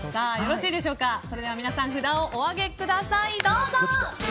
それでは皆さん札をお上げください。